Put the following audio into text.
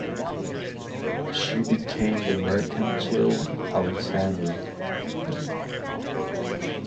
She became the mercantile "Alexander".